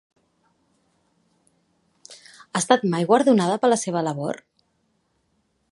Ha estat mai guardonada per la seva labor?